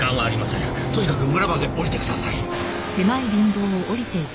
とにかく村まで下りてください。